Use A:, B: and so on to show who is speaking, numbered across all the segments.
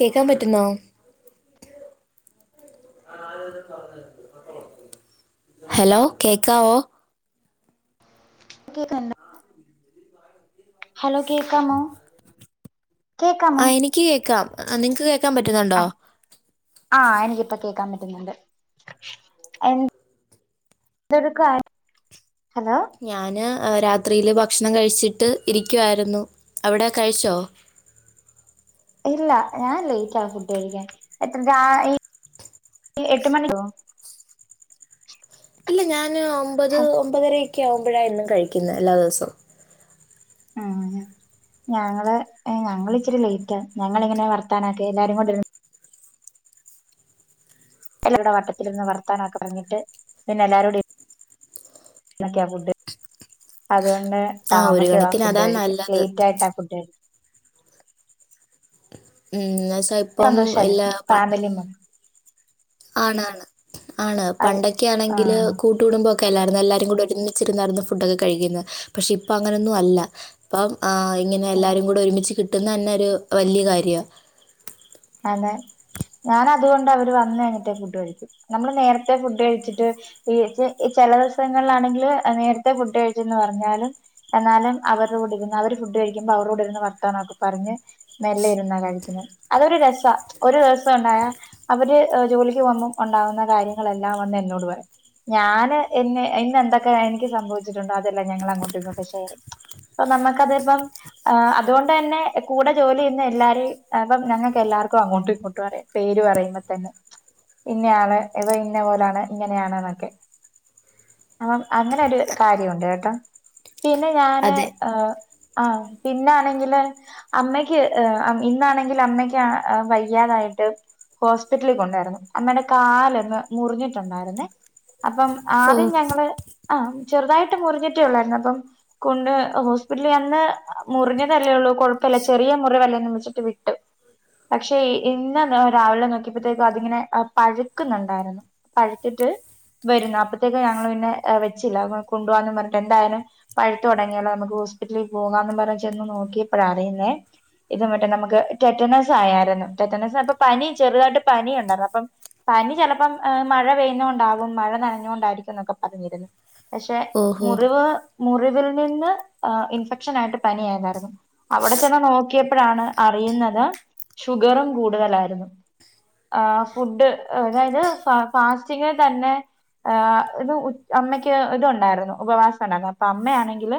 A: കേക്കാൻ പറ്റുന്നോ ഹലോ കേക്കാവോ
B: കേക്കാല്ല ഹലോ കേൾക്കാമോ
A: ആ എനിക്ക് കേക്കാം ആ നിങ്ങക്ക് കേ
B: ആ ആഹ് എനിക്കിപ്പ കേൾക്കാൻ പറ്റു ന്നുണ്ട് [unintelligible]
A: ഞാന് രാത്രിയിൽ ഭക്ഷണം കഴിച്ചിട്ട് ഇരിക്കുവായിരുന്നു അവിടെ കഴിച്ചോ
B: ഇല്ല ഞാൻ ലേറ്റാ ഫുഡ് കഴിക്കാന് എത്ര ജാ ഈ ഈ എട്ട് മണി [unintelligible]
A: ഇല്ല ഞാൻ ഞാ ഒമ്പത് ഒമ്പതരേ ക്യാവുമ്പഴാ എന്നും കഴിക്കുന്നേ എല്ലാ ദിവസവും.
B: ഉം ഞങ്ങള് എ ഞങ്ങള് ഇച്ചിരി ലേറ്റാ. ഞങ്ങളിങ്ങനെ വർത്താനോക്കെ എല്ലാരുംകൂടെര് എല്ല ടെ വട്ടത്തിലിര്ന്ന് വർത്താനോക്കെ പർഞ്ഞിട്ട് പിന്നെ എല്ലാരോടി നെ ക്ക്യാ ഫുഡ്. അതെ [unintelligible]
A: ആ ഒരു
B: താമസം ആഹ്
A: കണക്കിന്
B: ഫുഡ്
A: അതാ
B: കഴിക്കാൻ.
A: നല്ലത്
B: ലേറ്റായിട്ട ഫുഡ് കഴിക്ക
A: ഉം ന്നെ സെഹ് പ്പം
B: സന്തോഷല്ലേ
A: എല്ലാ പ
B: ഫാമിലി മൊ
A: ആണ് ആണ് ആണ്
B: അത്
A: പണ്ടൊക്കെ ആണെങ്കില്
B: ആഹ്
A: കൂട്ടുകുടുംമ്പൊ ക്കെല്ലാരുന്നു. എല്ലാരും കൂടി ഒരുമിച്ചിരുന്നായിര്ന്നു ഫുഡോക്കെ കഴിക്കുന്നേ. പക്ഷെ ഇപ്പ അങ്ങനൊന്നു അല്ല [unintelligible] ആഹ് ഇങ്ങനെ
B: അതെ
A: എല്ലാരും കൂടെ ഒരുമിച്ച് കിട് ട്ടുന്നന്നെരു വല്യ കാര്യാ
B: അതെ ഞാന് അതുകൊണ്ട് അവര് വന്നഴിഞ്ഞിട്ടെ ഫുഡ് കഴിക്കു. നമ്മള് നേരത്തെ ഫുഡ് കഴിച്ചിട്ട് ഈ ച് ഈ ചെല ദിവസങ്ങൾലാണെങ്കില് നേരത്തെ ഫുഡ് കഴിച്ചെന്ന് പറഞ്ഞാലും എന്നാലും അവര് രൂടെ ഇരുന്ന് അവര് ഫുഡ് കഴിക്കുമ്പോ അവരൂട്‌ ഇരുന്ന് വർത്തനൊക്കെ പറഞ്ഞ് മെല്ലെ ഇരുന്നാ കഴിക്കുന്നേ. അതൊരു രസാ. ഒരു ദിവസം ഉണ്ടായാ അവര് എ ജോലിക്ക് പോഉമ്പോ ഒണ്ടാവുന്ന കാര്യങ്ങളെല്ലാം വന്ന് എന്നോട് പറയും. ഞാന് എന്നെ ഇന്ന് എന്തൊക്കെ എനിക്ക് സംഭവിച്ചിട്ടുണ്ടോ അതെല്ലാം ഞങ്ങൾ അങ്ങോട്ടും ഇങ്ങോട്ട് ഷെയർ ചെയ്യും. പ്പം നമ്മക്കതിപ്പം അഹ് അതുകൊണ്ടെന്നെ കൂടെ ജോലിയെയ്ന്ന എല്ലാരെയും എഹ് അപ്പം ഞങ്ങക്ക് എല്ലാർക്കും അങ്ങോട്ടും ഇങ്ങോട്ടും അറിയാം പേര് പറയുമ്പോ തന്നെ ഇന്നെയാണ് ഇവ ഇന്ന പോലാണ് ഇങ്ങനെയാണ് എന്നൊക്കെ അപ്പം അങ്ങനെ ഒരു കാര്യമുണ്ട് കേട്ടോ. പിന്നെ ഞാന്
A: അതെ
B: ഏഹ്. ആഹ് പിന്നെ ആണെങ്കില് അമ്മയ്ക്ക് ഇന്നാണെ അമ്മയ്ക്ക് വയ്യാതായിട്ട് ഹോസ്പിറ്റലിൽ കൊണ്ടായിരുന്നു അമ്മയുടെ കാലൊന്ന് മുറിഞ്ഞിട്ടുണ്ടായിരുന്നേ. അപ്പം
A: ഓ
B: ആദ്യം ഞങ്ങള് ആഹ് ചെറുതായിട്ട് മുറിഞ്ഞിട്ടേ ഉള്ളായിരുന്നു അപ്പം കൊണ്ട് ഹോസ്പിറ്റലിൽ അന്ന് മുറിഞ്ഞതല്ലേ ഉള്ളൂ കുഴപ്പല്ല ചെറിയ മുറിവല്ലെന്നുവെച്ചിട്ടു വി ടു പക്ഷെ ഇന്ന് രാവിലെ നോക്കിയപ്പോഴത്തേക്കും അതിങ്ങനെ പഴുക്കുന്നുണ്ടായിരുന്നു പഴുത്തിട്ട് വരുന്നു അപ്പത്തേക്കും ഞങ്ങൾ പിന്നെ വെച്ചില്ല കൊണ്ടു പോവാം പറഞ്ഞിട്ട് എന്തായാലും പഴുത്ത് തുടങ്ങിയാലോ നമുക്ക് ഹോസ്പിറ്റലിൽ പോകാന്ന് പറഞ്ഞ ചെന്ന് നോക്കിയപ്പോഴ അറിയുന്നേ ഇത് മറ്റെ നമുക്ക് ടെറ്റനസ് ആയായിരുന്നു ടെറ്റനസ് അപ്പൊ പനി ചെറുതായിട്ട് പനി ഉണ്ടായിരുന്നു അപ്പം പനി ചെലപ്പം മഴ പെയ്യുന്നോണ്ടാവും മഴ നനഞ്ഞൊണ്ടായിരിക്കും എന്നൊക്കെ പറഞ്ഞിരുന്നു. പക്ഷെ
A: ഓഹോ
B: മുറിവ് മുറിവിൽ നിന്ന് ഇൻഫെക്ഷൻ ആയിട്ട് പനിയായിതായിരുന്നു അവിടെ ചെന്ന് നോക്കിയപ്പോഴാണ് അറിയുന്ന ത് ഷുഗറും കൂടുതലായിരുന്നു ആഹ് ഫുഡ് അതായത് ഫ ഫാസ്റ്റിങ്ങിൽ തന്നെ ആഹ് ഇത് അമ്മയ്ക്ക് ഇത് ഒണ്ടായിരുന്നു ഉപവാസം ഉണ്ടായിരുന്നു അപ്പോ അമ്മയാണെങ്കിൽ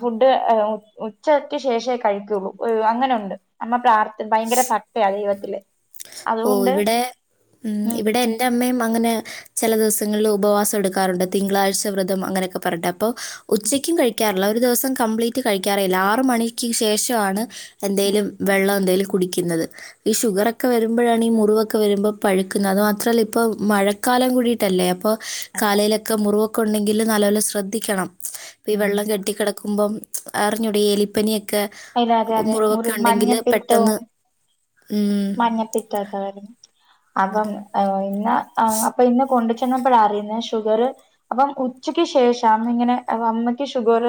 B: ഫുഡ് ഉച്ചക്ക് ശേഷേ കഴിക്കുള്ളൂ അങ്ങനെ ഉണ്ട്. അമ്മ പ്രാർത്ഥ ഭയങ്കര ഭക്തയാ ദൈവത്തില്.
A: ഓ
B: അതുകൊണ്ട്
A: ഇവിടെ ഉം ഇവിടെ എന്റെ അമ്മയും അങ്ങനെ ചില ദിവസ ങ്ങളിൽ ഉപവാസ എടുക്കാറുണ്ട് തിങ്കളഴ്ച വ്രതം അങ്ങനെയൊക്കെ പറഞ്ട്ട് അപ്പോ ഉച്ചക്കും കഴിക്കാറില്ല. ഒരു ദിവസം കംപ്ലീറ്റ് കഴിക്കാറില്ല ആറ് മണിക്ക് ശേഷം ആണ്
B: ഉം
A: എന്തേലും വെള്ളം എന്തേലും കുടിക്കുന്നത് ഈ ഷുഗറൊക്കെ വരുമ്പോഴാ പണി മുറിവൊക്കെ വരുമ്പോ പഴുക്കുന്ന അത് മാത്രമല്ല ഇപ്പോ മഴക്കാലം കൂടിട്ടല്ലേ അപ്പോ
B: അതെ
A: കാലയിലൊക്കെ മുറുവൊ ഉണ്ടെങ്കിൽ നല്ലപോലെ ശ്രദ്ധിക്കണം ഈ
B: ഉം
A: വെള്ളം കെട്ടിക്കിടക്കുമ്പോ അറിഞ്ഞുടെ ഈ ഏലിപ്പനിയൊ
B: അതെ അതെ അതെ മുറി മഞ്ഞപ്പിത്തവും
A: പെട്ടെന്ന് ഉം,
B: മഞ്ഞപ്പിത്ത ഒക്കെ [inaudible] അപ്പം ഇന്ന് ആ അപ്പൊ ഇന്ന് കൊണ്ട് ചെന്നപ്പോയാ അറിയുന്നേ ഷുഗർ അപ്പം ഉച്ചയ്ക്ക് ശേഷം അന്ന് ഇങ്ങനെ അമ്മയ്ക്ക് ഷുഗർ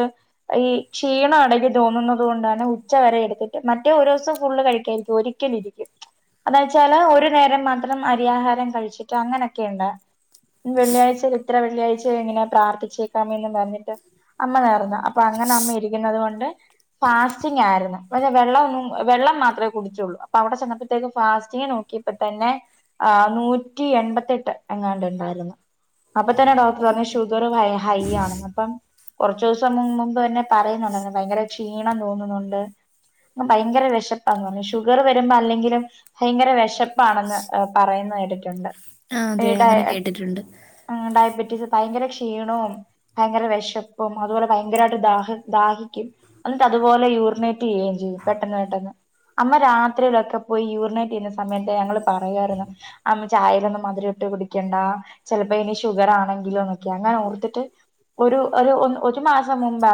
B: ഈ ക്ഷീണം ഇടക് തോന്നുന്ന് അതുകൊണ്ടാണ് ഉച്ച വരെ എടുത്തിട്ട് മറ്റേ ഒരു ദിവസം ഫുള്ള് കഴിക്കായിരിക്കും ഒരിക്കല് ഇരിക്കും അതാെച്ചാല് ഒരു നേരം മാത്രം അരിയാഹാരം കഴിച്ചിട്ട് അങ്ങനൊക്കെ ഉണ്ട് വെള്ളിയാഴ്ച ഇത്ര വെള്ളിയാഴ്ച ഇങ്ങനെ പ്രാർത്ഥിച്ചേക്കാന്ന് പറഞ്ഞിട്ട് അമ്മ നേർന്ന് അപ്പൊ അങ്ങനെ അമ്മ ഇരിക്കുന്നത് കൊണ്ട് ഫാസ്റ്റിംങ്ങ് ആയിരുന്നു പക്ഷേ വെള്ളം വെള്ളം മാത്രമേ കുടിച്ചുള്ളൂ അപ്പൊ അവിടെ ചെന്നപ്പോഴത്തേക്ക് ഫാസ്റ്റിങ് നോക്കിയപ്പോ തന്നെ ആ നൂറ്റി എൺപത്തെട്ട് എങ്ങാനുണ്ടായിരുന്നു അപ്പൊ തന്നെ ഡോക്ടർ
A: ഓ
B: പറഞ്ഞ് ഷുഗർ ഹൈ ആണ്ന്ന് അപ്പം കുറച്ചു ദിവസം മുമ്പ് തന്നെ പറയുന്നുണ്ടായിരുന്നു ഭയങ്കര ക്ഷീണം തോന്നുന്നുണ്ട് അ ഭയങ്കര വിശപ്പാന്ന് പറഞ്ഞ് ഷുഗർ വരുമ്പോ അല്ലെങ്കിലും ഭയങ്കര വിശപ്പ് ആണെന്ന് പറയുന്നത് കേട്ടി ട്ടിട്ടുണ്ട്
A: ആഹ് അതെ അങ്ങനെ കേട്ടിട്ടുണ്ട്
B: ഡയബറ്റീസ് ഭയങ്കര ക്ഷീണവും ഭയങ്കര വിശപ്പും അതുപോലെ ഭയങ്കരമായിട്ട് ദാഹി ദാഹിക്കും എന്നിട്ട് അതുപോലെ യൂറിനേറ്റ് ചെയ്യുകയും ചെയ്യും പെട്ടെന്ന് പെട്ടെന്ന് അമ്മ രാത്രിയിലൊക്കെ പോയി യൂറിനേറ്റ് ചെയ്യുന്ന സമയത്ത് ഞങ്ങള് പറയുവായിരുന്നു ചായലൊന്നും മധുരം ഇട്ട് കുടിക്കണ്ട ചിലപ്പോ ഇനി ഷുഗർ ആണെങ്കിലോന്നൊക്കെ അങ്ങനെ ഓർത്തിട്ട് ഒരു ഒരു മാസം മുമ്പ്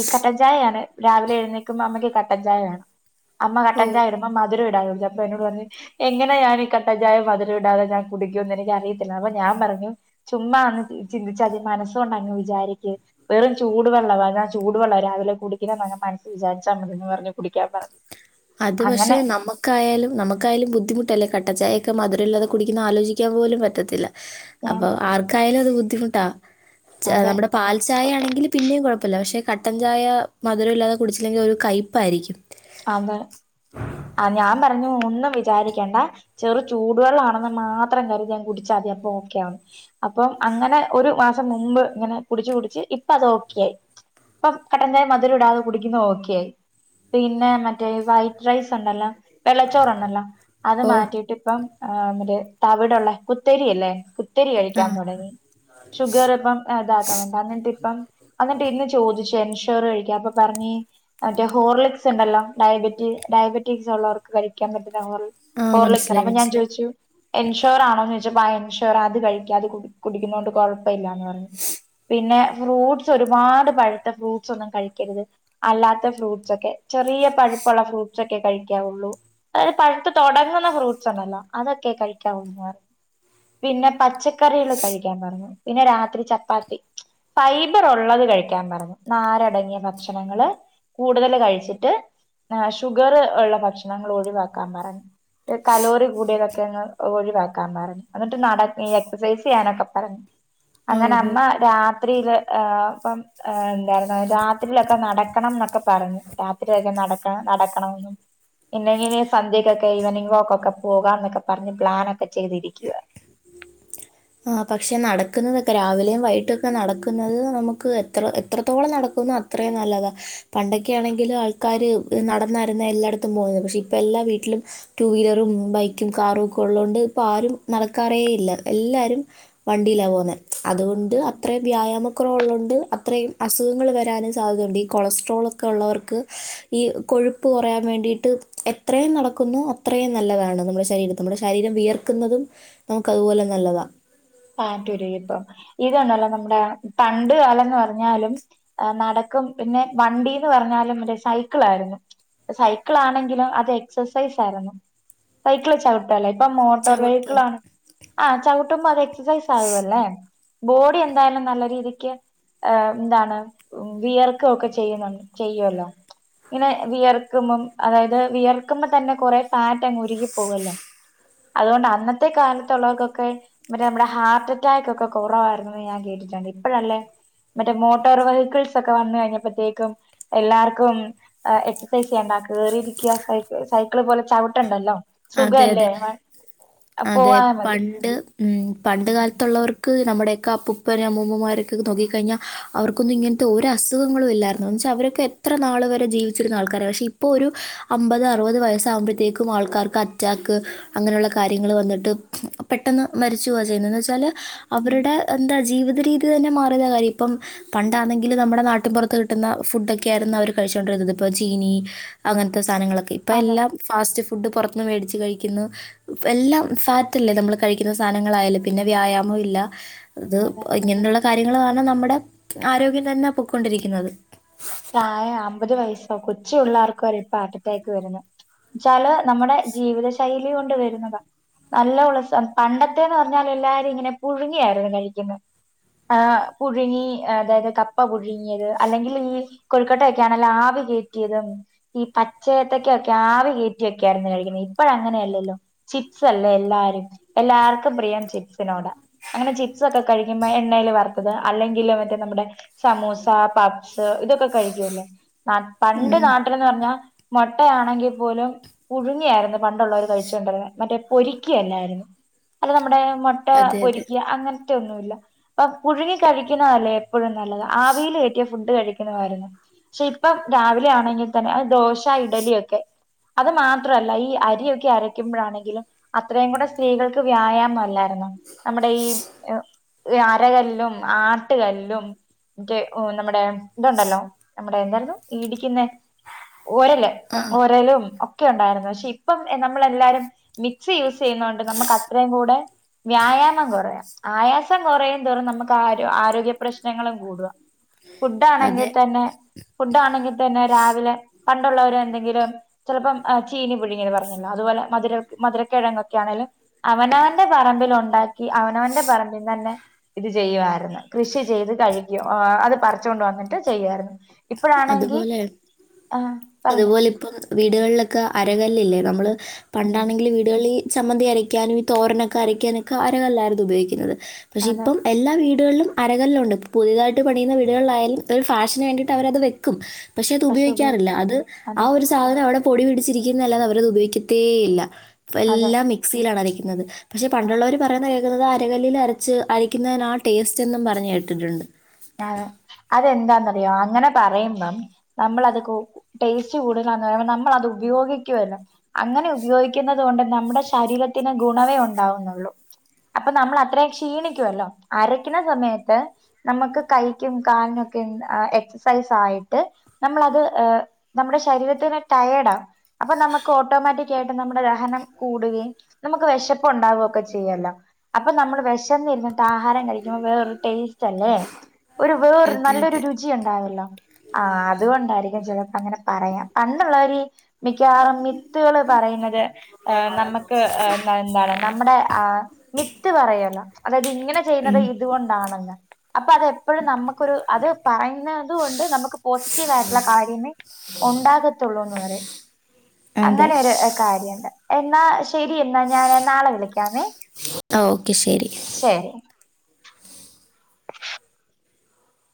B: ഈ കട്ടൻ ചായ ആണെ രാവിലെ എഴുന്നേക്കുമ്പോ അമ്മക്ക് കട്ടൻചായ വേണം അമ്മ
A: ഓ
B: കട്ടൻ ചായ ഇടുമ്പോ മധുരം അപ്പോ എന്നോട് പറഞ്ഞു എങ്ങനെ ഞാൻ ഈ കട്ടൻ ചായ മധുരം ഇടാതെ ഞാൻ കുടിക്കുംന്ന് എനിക്ക് അറിയത്തില്ല അപ്പൊ ഞാൻ പറഞ്ഞു ചുമ്മാന്ന് ചിന്തിച്ച മതി മനസ്സ് കൊണ്ട് അങ്ങ് വിചാരിക്ക് വെറും ചൂടുവെള്ളവാ ഞാൻ ചൂടുവെള്ള രാവിലെ ഇല്ലാന്ന് മനസിൽ വിചാരിച്ചാ മതിന്ന് പറഞ്ഞ് കുടിക്കാൻ പറഞ്ഞു
A: അത് പക്ഷെ
B: അങ്ങനെ
A: നമ്മുക്കായാലും നമുക്കായാലും ബുദ്ധിമുട്ടല്ലേ കട്ടൻ ചായയൊക്കെ ഒക്കെ മധുരമില്ലതെ കുടിക്കുന്നത് ആലോചിക്കാൻ പോലും പറ്റത്തില്ല
B: ഞാൻ
A: അപ്പൊ ആർക്കായാലും അത് ബുദ്ധി ബുദ്ധിമുട്ടാ
B: അതെ
A: നമ്മുടെ പാൽ ചായ ആണെങ്കിൽ പിന്നെയും കുഴപ്പമില്ല പക്ഷെ കട്ടൻചായ മധുരം ഇല്ലാതെ കുടിച്ചില്ലെങ്കിൽ ഒരു കൈപ്പായിരിക്കും
B: അതെ ആ ഞാൻ പറഞ്ഞു പറഞ്ഞു ഒന്നും വിചാരിക്കേണ്ട ചെറു ചൂടുവെള്ളണെന്ന് മാത്രം കരുതി അങ്ങ് കുടിച്ചാ മതി അപ്പൊ ഓക്കെ ആവുന്നു അപ്പം അങ്ങനെ ഒരു മാസം മുമ്പ് ഇങ്ങനെ കുടിച്ച് കുടിച്ച് ഇപ്പ അത് ഓക്കെ ആയി ഇപ്പ കട്ടഞ്ചായ മധുരം ഇടാതെ കുടിക്കുന്ന ഓക്കെ ആയി പിന്നെ മറ്റേ വൈറ്റ് റൈസ് ഉണ്ടല്ലോ വെള്ളച്ചോറണല്ലോ അത്
A: ഓ
B: മാറ്റിട്ട് ഇപ്പം ആഹ് മറ്റേ തവിടുള്ള കുത്തരിയല്ലേ കുത്തരി
A: ആ
B: കഴിക്കാൻ തൊടങ്ങി ഷുഗർ ഇപ്പം ഇതാക്കാൻ വേണ്ടി അ ന്നിട്ട് ഇപ്പം എന്നിട്ട് ഇന്ന് ചോദിച്ചു ചോറ് കഴിക്കാൻ അപ്പോ പറഞ്ഞ് മറ്റെ ഹോർലിക്സ് ഉണ്ടല്ലോ ഡയബറ്റി ഡയബറ്റിസ് ഉള്ളവർക്ക് കഴിക്കാൻ പറ്റുന്ന
A: ആ
B: ഹോർലിക്സ് ഉണ്ട്
A: മനസ്സിലായി
B: അപ്പോ ഞാൻ
A: മനസ്സിലായി.
B: ചോദിച്ചു എൻഷോർ ആണോന്ന് ചോ ആ എൻഷോറ അത് കഴിക്ക അത് കുടിക്കുന്നോണ്ട് കൊഴപ്പ ഇല്ലാന്ന് പറഞ്ഞു പിന്നെ ഫ്രൂട്ട്സ് ഒരുപാട് പഴുത്തെ ഫ്രൂട്ട്സ് ഒന്നും കഴിക്കരുത് അല്ലാത്ത ഫ്രൂട്ട്സ് ഒക്കെ. ചെറിയ പഴുപ്പുള്ള ഫ്രൂട്ട്സ് ഒക്കെ കഴിയ്ക്കാവുള്ളൂ അതായത് പഴുത്ത് തുടങ്ങുന്ന ഫ്രൂട്ട്സ് ഉണ്ടല്ലോ അതൊക്കെ കഴിയ്ക്കാവുള്ളു പിന്നെ പച്ച കറികള് കഴിക്കാൻ പറഞ്ഞു. പിന്നെ രാത്രി ചപ്പാത്തി ഫൈബർ ഒ ള്ളത് കഴിക്കാൻ പറഞ്ഞു നാരടങ്ങിയ ഭക്ഷണങ്ങള് കൂടുതൽ കഴിച്ചിട്ട് ട്ട് ഷുഗർ ഉള്ള ഭക്ഷണങ്ങൾ ഒഴിവാക്കാൻ പറഞ്ഞു കലോറി കൂടിയതൊക്കെ ഒഴിവാക്കാൻ പറഞ്ഞു എന്നിട്ട് നട എക്സസൈസ് ചെയ്യാനൊക്കെ പറഞ്ഞു. അങ്ങനെ അമ്മ
A: ഓഹോ.
B: രാ രാത്രിയില് ഇപ്പം എന്തായിരുന്നു രാത്രിയിലൊക്കെ നടക്കണം എന്നൊക്കെ പറഞ്ഞു. രാത്രിയൊക്കെ നടക്കണം നടക്കണെന്നും പിന്നെങ്ങനെ സന്ധ്യക്കൊക്കെ ഈവനിങ് വോക്ക് ഒക്കെ പോകാ എന്നൊക്കെ പറഞ്ഞ് പ്ലാനൊക്കെ ചെയ്തിരിക്കുവാ.
A: ആ പക്ഷെ നടക്കുന്നതൊക്കെ രാവിലെയും വൈകിട്ടൊക്കെ നടക്കുന്നത് നമുക്ക് എത്ര എത്രത്തോളം നടക്കുന്ന അത്രയും നല്ലതാ പണ്ടൊക്കെയാണെങ്കിൽ ആൾക്കാര് നടനാരുന്നും എല്ലായിടത്തും പോകുന്നത് പക്ഷെ ഇപ്പ എല്ലാ വീട്ടിലും ടു വീലറും ബൈക്കും കാറും ഒക്കെ ഉള്ളതോണ്ട് ഇപ്പ ആരും നടക്കാറേ ഇല്ല എല്ലാര രും വണ്ടിയില പോകുന്നെ അതുകൊണ്ട് അത്രയും വ്യായാമ കുറവ് ഉള്ളതു കൊണ്ട് അത്രയും അസുഖങ്ങൾ വരാനും സാധ്യത ഉ ണ്ട്. ഈ കൊളസ്ട്രോൾ ഒക്കെ ഉള്ളവർക്ക് ഈ കൊഴുപ്പ് കൊ റയാൻ വേണ്ടിയിട്ട് എത്രയും നടക്കുന്നു അത്രയും നല്ലതാണ് നമ്മുടെ ശരീരം നമ്മുടെ ശരീരം വിയർക്കുന്നതും നമുക്ക് അതുപോലെ നല്ലതാണ്.
B: ആറ്റുരു ഇപ്പ ഇതണ്ടല്ലോ നമ്മുടെ പണ്ട് കാലം എന്ന് പറഞ്ഞാലും നടക്കും പിന്നെ വണ്ടിന്ന് പറഞ്ഞാലും മറ്റേ സൈക്കിള ആയിരുന്നു സൈക്കിൾ ആണെങ്കിലും അത് എക്സസൈസ് ആയിരുന്നു സൈക്കിള് ചവിട്ടുല്ലോ. ഇപ്പൊ മോട്ടോർ
A: ചവിട്ടുക
B: വെഹിക്കിൾ ആണ് ആ ചവിട്ടുമ്പോ അത് ചാവുകല്ലേ. ബോഡി എന്തായാലും നല്ല രീതിക്ക് എന്താണ് വിയർക്കു ഒക്കെ ചെയ്യുന്നുണ്ട് ചെയ്യുമല്ലോ ഇങ്ങനെ വിയർക്കുമ്പം അതായത് വിയർക്കുമ്പോ തന്നെ കൊറേ ഫാറ്റ് അങ്ങ് ഉരുകിപ്പോകുവല്ലോ അതുകൊണ്ട് അന്നത്തെ കാലത്തുള്ളവർക്കൊക്കെ മറ്റേ നമ്മുടെ ഹാർട്ട് അറ്റാക്ക് ഒക്കെ കുറവായിരുന്നുന്ന് ഞാൻ കേട്ടിട്ടുണ്ട് ഇപ്പോഴല്ലേ മറ്റേ മോട്ടോർ വെഹിക്കിൾസ് ഒക്കെ വന്ന കഴിഞ്ഞപ്പോഴത്തേക്കും എല്ലാർക്കും എക്സസൈസ് ചെയ്യണ്ട കേറിയിരിക്കുക സ സൈക്കിൾ പോലെ ചവിട്ടണ്ടല്ലോ.
A: അതെ അതെ
B: സുഖല്ലേ
A: അതെ
B: പോവാതെ മതി
A: പണ്ട്. പണ്ട് കാലത്തുള്ളവർക്ക്. നമ്മുടെയൊക്കെ അപ്പുപ്പനും അമ്മൂമ്മമാരൊക്കെ നോക്കി കഴിഞ്ഞൽ അവർക്കൊന്നും ഇങ്ങനത്തെ ഒരു അസുഖങ്ങളും ഇല്ലായിരുന്നു എന്ന് വെച്ചാൽ അവരൊക്കെ എത്ര നാൾ വരെ ജീവിച്ചിരുന്ന ആൾക്കാരാ പക്ഷേ ഇപ്പോൾ ഒരു അമ്പത് അറുപത് വയസ്സാവുമ്പോഴത്തേക്കും ആൾക്കാർക്ക് അറ്റാക്ക് അങ്ങനെയുള്ള കാര്യങ്ങൾ വന്നിട്ട് പെട്ടെന്ന് മരിച്ചു പോകുവാ ചെയ്യുന്നത് എന്ന് വെച്ചാല്
B: ഉം
A: അവരുടെ എന്താ ജീവിതരീതി. ഇത് തന്നെ മാറിയുന്ന കാര്യം ഇപ്പം പണ്ടാണെങ്കിൽ നമ്മുടെ നാട്ടിൻ പുറത്ത് കിട്ടുന്ന ഫുഡൊക്കെ ആയിരുന്നു അവർ കഴിച്ചുകോണ്ടിരുന്നത് ഇപ്പ ചീനി അങ്ങനത്തെ സാ സ്ഥാനങ്ങളോക്കേ ഇപ്പോ
B: അതെ
A: എല്ലാം ഫാസ്റ്റ് ഫുഡ് പുറ മേടിച്ച് കഴിക്കുന്നു. എല്ലാം ഫാ റ്റെല്ലേ നമ്മള് കഴിക്കുന്ന സാധനങ്ങളായാലും പിന്നെ വ്യായാമം ഇല്ല. അത്
B: അതെ
A: ഇങ്ങനെയുള്ള കാര്യങ്ങളാണ് നമ്മുടെ ആരോഗ്യം തന്നെ പൊക്കൊണ്ടിരിക്കുന്നത്.
B: പ്രായം അമ്പത് വയസ്സോ കൊച്ച് പിള്ളേർക്ക് വരെ ഇപ്പ ഹാർട്ട് അറ്റാക്ക് വരുന്നു എന്നു വച്ചാല് നമ്മുടെ ജീവിത ശൈലി കൊണ്ട് വരുന്നതാ നല്ല ഉത്സം പണ്ടത്തെന്ന് പറഞ്ഞാൽ എല്ലാരും ഇങ്ങനെ പുഴുങ്ങിയായിരുന്നു കഴിക്കുന്നത് ആ പുഴുങ്ങി അതായത് കപ്പ പുഴുങ്ങിയത് അല്ലെങ്കിൽ ഈ കൊഴുക്കട്ടൊക്കൊണെല്ലോ ആവി കയറ്റിയതും ഈ പച്ച ഏത്തക്കയോക്കെ ആവി കയറ്റിയൊക്കെ ആയിരുന്നു കഴിക്കുന്നത് ഇപ്പോഴ് അങ്ങനെയല്ലല്ലോ ചിപ്സ് അല്ലേ എല്ലാരും എല്ലാർക്കും പ്രിയം ചിപ്സിനോടാ അങ്ങനെ ചിപ്സ് ഒക്കെ കഴിക്കുമ്പോ എണ്ണൽ വറുത്തത് അല്ലെങ്കിലും മറ്റേ നമ്മുടെ സമൂസ പപ്സ് ഇതൊക്കെ കഴിക്കുവാല്ലേ. പ പണ്ട്
A: ഉം.
B: നാട്ടിലെന്ന് പറഞ്ഞാ മുട്ടയാണെങ്കിൽ പോലും പുഴുങ്ങിയാരുന്നു പണ്ടുള്ളവര് കഴിച്ചു കൊണ്ടായിരുന്നത് മറ്റേ പൊരിയ്ക്കാല്ലാരുന്നു അത് നമ്മുടെ മുട്ട
A: അതെ അതെ.
B: പൊരിക്യാ അങ്ങനെ റ്റ് ഒന്നുമില്ല അപ് പുഴുങ്ങി കഴിക്കുന്നതല്ലേ എപ്പോഴും നല്ലത് ആവില് കെറ്റിയ ഫുഡ് കഴിക്കുന്നാതാരുന്നു. പക്ഷെ ഇപ്പം രാവിലെ ആണെങ്കിൽ തന്നെ അത് ദോശ, ഇഡലിയൊക്കെ അത് മാത്ര അല്ല ഈ അരിയൊക്കെ അരയ്ക്കുമ്പോഴാണെങ്കിലും അത്രയും കൂടെ സ്ത്രീകൾക്ക് വ്യായാമം അല്ലായിരുന്നോ നമ്മുടെ ഈ അരകല്ലും, ആട്ടുകല്ലും, മറ്റേ നമ്മുടെ ഇതുണ്ടല്ലോ. നമ്മടെ എന്താരുന്നു ഈ ഇടിക്കുന്നേ. ഓരല്
A: ആ.
B: ഓരലും ഒ ഒക്കെ ഉണ്ടായിരുന്നു പക്ഷെ ഇപ്പം നമ്മളെല്ലാരും മിക്സ് യൂസ് ചെയ്യുന്നൊണ്ട് നമുക്ക് അത്രയും കൂടെ വ്യായാമം കുറയാം ആയാസം കുറയുന്തോറും നമുക്ക് ആ ആരോഗ്യ പ്രശ്നങ്ങളും കൂടുവാ. ഫുഡ് ആണെങ്കി
A: അതെ.
B: തന്നെ ഫുഡ്‌ ആണെങ്കിൽ തന്നെ രാവിലെ പണ്ടുള്ളവര് എന്തെങ്കിലും ചിലപ്പം ചീനി പുഴുങ്ങിയത് പറഞ്ഞല്ലോ അതുപോലെ മധുര മധുരക്കിഴങ്ങൊക്കെ ആണേലും അവനവന്റെ പറമ്പിൽ ഉണ്ടാക്കി അവനവന്റെ പറമ്പിന്ന് ഇത് ചെയ്യുയിരുന്നു കൃഷി ചെയ്ത് കഴിക്കും അത് പറിച്ചുകൊണ്ട് വന്നിട്ട് ചെയ്യുവാരുന്നു ഇപ്പഴാണെങ്കി
A: അതുപോലെ
B: ആഹ് പറഞ്ഞോ
A: അതുപോലെ ഇപ്പം വീടുകളിലൊക്കെ അരകല്ലില്ലേ നമ്മള്
B: ഉം
A: പണ്ടാണെങ്കില് വീടുകളി ചമ്മന്തി അരക്കാനും ഈ തോരനൊക്കെ അരക്കാനൊക്കെ അരകല്ലായിരുന്ന് ഉപയോഗിക്കുന്നത് പക്ഷെ
B: അതെ
A: ഇപ്പം എല്ലാ വീ വീടുകളിലും അരകല്ലുണ്ട് പുതിയതായിട്ട് പണിയുന്ന വീടുകളിലായാലും ഒരു ഫാഷൻ ആയിട്ട് ന്നട്ട് അവരത് വെക്കും പക്ഷെ അത്
B: പശു ഉപയോഗി
A: ഉപയോഗിക്കാറില്ല അത്
B: അതെ
A: ആഹ് ഒരു സാധനം അവിടെ പൊടി പിടിച്ചിരിക്കുന്നല്ലാതെ അവരത് ഉപയോഗിക്കത്തേ ഇല്ല ഇപ്പ
B: അതെ
A: എല്ലാം മിക്സിയിലാണ് അര വരുന്നത് പക്ഷെ
B: അതെ
A: പണ്ടുള്ളവര് പറയുന്ന കേ വക്കുന്നത് അരകല്ലിൽ അരച്ച് അരിക്കുന്നതിനാ ടേസ്റ്റ് എന്നും പറഞ്ഞ് കേട്ടിട്ടുണ്ട്
B: ആഹ് അതെന്താന്നറിയോ അങ്ങനെ പറയുമ്പം നമ്മൾ അത് കു ടേസ്റ്റ് കൂടുതലാന്ന് പറയുമ്പം നമ്മളത് ഉപയോഗിക്കുവല്ലോ അങ്ങനെ ഉപയോഗിക്കുന്നത് കൊണ്ട് നമ്മുടെ ശരീരത്തിന് ഗുണമേ ഉണ്ടാവുന്നുള്ളൂ അപ്പൊ നമ്മൾ അത്രയും ക്ഷീണിക്കുവല്ലോ അരക്കുന്ന സമയത്ത് നമുക്ക് കൈക്കും കാലിനുമൊക്കെ എക്സസൈസ് ആയിട്ട് നമ്മളത് നമ്മുടെ ശരീരത്തിന് ടയേർഡ് ആകും അപ്പൊ നമുക്ക് ഓട്ടോമാറ്റിക് ആയിട്ട് നമ്മുടെ ദഹനം കൂടുകയും നമുക്ക് വിശപ്പ് ഉണ്ടാവുകയും ഒക്കെ ചെയ്യുവല്ലോ അപ്പം നമ്മള് വിശന്ന് ഇരുന്നിട്ട് ആഹാരം കഴിക്കുമ്പോൾ വേറൊരു ടേ റ്റല്ലേ ഒരു വേറൊരു
A: അതെ
B: നല്ലൊരു
A: അതെ
B: രുചി ഉണ്ടായിരുന്നു അല്ലാ ആഹഹ് അതുകൊണ്ടായിരിക്കും ചില അങ്ങനെ പറയാ പണ്ടുള്ളവരീ മിക്കവാറും മിത്തുകള് പറയുന്നത് ആഹ് നമുക്ക് എന്താണ് നമ്മുടെ ആഹ് മിത്ത് പറയുവല്ലോ അതായത് ഇങ്ങനെ ചെയ്യുന്നത്
A: ഉം
B: ഇതുകൊണ്ടാണെന്ന് അപ്പൊ അത് അത് നമ്മക്കൊരു അത് പറയുന്നുത് കൊണ്ട് നമുക്ക് പോസിറ്റീവ് ആയിട്ടുള്ള കാര്യമേ ഉണ്ടാകത്തുള്ളൂന്ന് പറയും
A: അതെ
B: അങ്ങനൊരു കാര്യണ്ട് എന്നാ ശരി എന്നാ ഞാന് നാളെ വിളിക്കാമേ
A: ഓക്കെ ശരി
B: ശരി [inaudible]